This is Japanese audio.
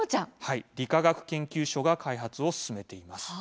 理化学研究所が開発を進めています。